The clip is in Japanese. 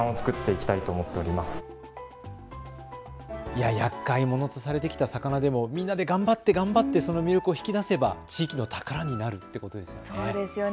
やっかいものとされてきた魚でもみんなで頑張って頑張ってその魅力を引き出せば地域の宝になるということですよね。